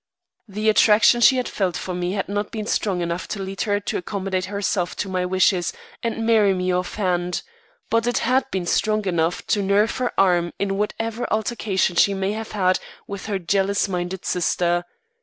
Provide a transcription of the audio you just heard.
The attraction she had felt for me had not been strong enough to lead her to accommodate herself to my wishes and marry me off hand, but it had been strong enough to nerve her arm in whatever altercation she may have had with her jealous minded sister.